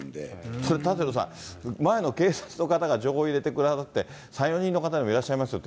それ、舘野さん、前の警察の方が情報を入れてくださって、３、４人の方がいらっしゃいますよね。